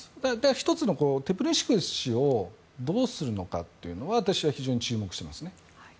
１つ、テプリンスキー氏をどうするかっていうのは私は非常に注目しています。